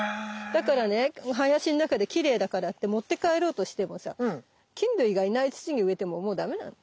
だからね林の中できれいだからって持って帰ろうとしてもさ菌類がいない土に植えてももうダメなの。